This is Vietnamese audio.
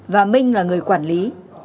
và minh là người quản lý